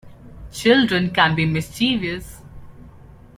Children can be mischievous.